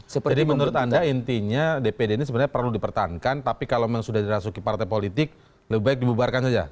jadi menurut anda intinya dpr ini sebenarnya perlu dipertahankan tapi kalau memang sudah dirasuki partai politik lebih baik dibubarkan saja